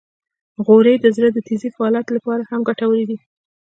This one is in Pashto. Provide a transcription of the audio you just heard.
غوړې د زړه د تېزې فعالیت لپاره هم ګټورې دي.